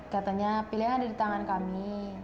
katanya pilihan ada di tangan kami